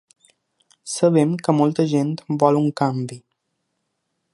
Sabem que molta gent vol un canvi.